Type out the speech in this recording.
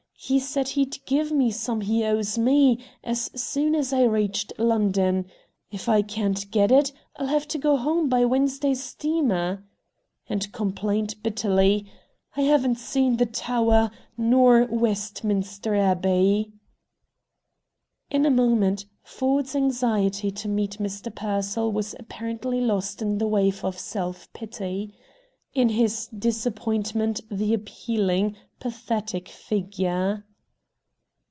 He said he'd give me some he owes me, as soon as I reached London. If I can't get it, I'll have to go home by Wednesday's steamer." And, complained bitterly, "I haven't seen the Tower, nor Westminster Abbey." In a moment, Ford's anxiety to meet Mr. Pearsall was apparently lost in a wave of self pity. In his disappointment he appealing, pathetic figure.